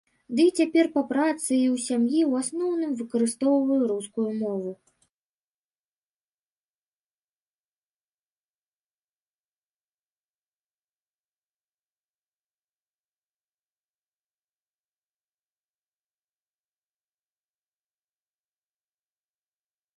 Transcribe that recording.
Дый цяпер па працы і ў сям'і ў асноўным выкарыстоўваю рускую мову.